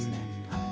はい。